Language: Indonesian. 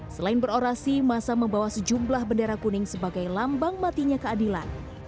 selain berorasi masa membawa sejumlah bendera kuning sebagai lambang matinya keadilan